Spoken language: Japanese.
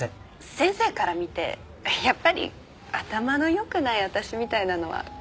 先生から見てやっぱり頭の良くない私みたいなのは論外ですか？